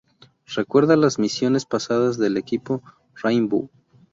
Recuerda las misiones pasadas del Equipo Rainbow.